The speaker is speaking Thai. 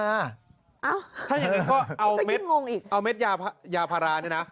ถ้ายังไงก็เอาเม็ดยาพรานนี่นะ